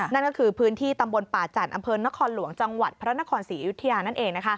นั่นก็คือพื้นที่ตำบลป่าจันทร์อำเภอนครหลวงจังหวัดพระนครศรีอยุธยานั่นเอง